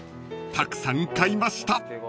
［たくさん買いました］